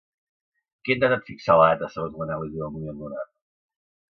Qui ha intentat fixar la data segons l'anàlisi del moviment lunar?